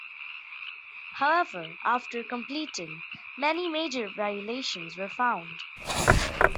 However, after completing many major violations were found.